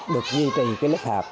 được duy trì cái lớp hà